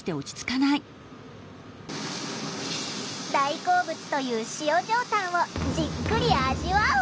大好物という塩上タンをじっくり味わう。